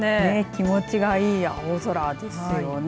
気持ちのいい青空ですよね。